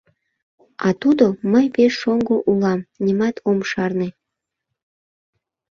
А тудо: мый пеш шоҥго улам, нимат ом шарне.